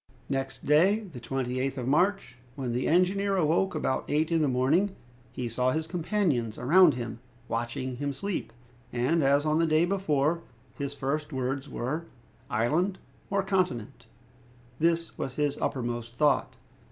Next day, the 28th of March, when the engineer awoke, about eight in the morning, he saw his companions around him watching his sleep, and, as on the day before, his first words were: "Island or continent?" This was his uppermost thought.